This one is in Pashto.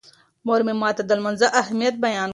مور مې ماته د لمانځه اهمیت بیان کړ.